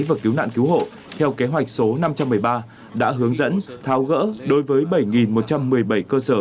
và cứu nạn cứu hộ theo kế hoạch số năm trăm một mươi ba đã hướng dẫn tháo gỡ đối với bảy một trăm một mươi bảy cơ sở